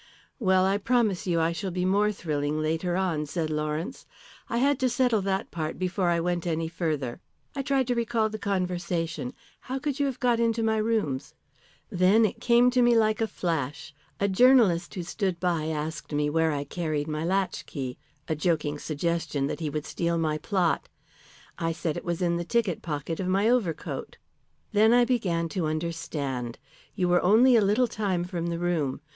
"Well, I promise you I shall be more thrilling later on," said Lawrence. "I had to settle that part before I went any further. I tried to recall the conversation. How could you have got into my rooms? Then it came to me like a flash. A journalist who stood by asked me where I carried my latchkey a joking suggestion that he would steal my plot. I said that it was in the ticket pocket of my overcoat." "Then I began to understand. You were only a little time from the room.